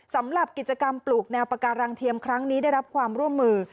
สำหรับกิจกรรมปลูกแนวปาการังเทียมครั้งนี้ได้รับความร่วมมือ